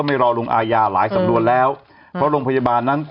ไม่รอลงอาญาหลายสำนวนแล้วเพราะโรงพยาบาลนั้น